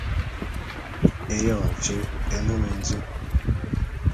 Éyoñ tyé é ne mendim.